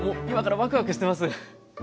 今からワクワクしてます！